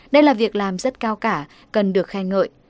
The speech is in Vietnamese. đây là việc làm rất cao cả cần được khen ngợi